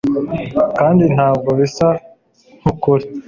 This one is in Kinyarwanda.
kandi ntabwo bisa nkukuri